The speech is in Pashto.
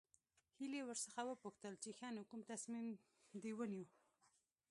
هيلې ورڅخه وپوښتل چې ښه نو کوم تصميم دې ونيو.